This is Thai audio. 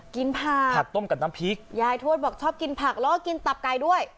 ผักผักต้มกับน้ำพริกยายทวดบอกชอบกินผักแล้วก็กินตับไก่ด้วย